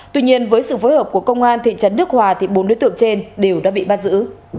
tuy nhiên với sự phối hợp của công an thị trấn đức hòa bốn đối tượng trên đều đã bị bắt giữ